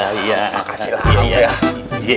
makasih makasih makasih